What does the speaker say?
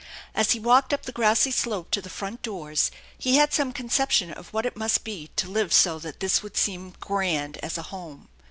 As he walked up the grassy slope to the front doors, he had some conception of what it must be to live so that this would seem grand as a home.